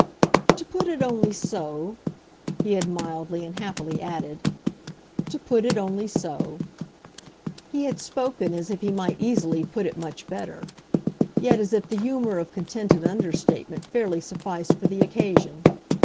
"To put it only so," he had mildly and happily added "to put it only so!" He had spoken as if he might easily put it much better, yet as if the humour of contented understatement fairly sufficed for the occasion.